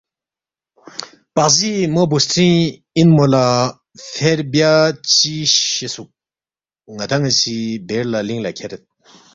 پقزی مو بُوسترِنگ اِن نہ مو لہ فیر بیا چِہ شیسُوک؟ ن٘دان٘ی سی بیر لہ لِنگ لہ کھیرید